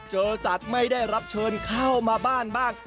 เจอสัตว์ไม่ได้รับเชิญเข้ามาบ้านบ้าง